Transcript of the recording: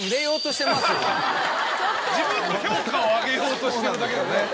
自分の評価を上げようとしてるだけですね。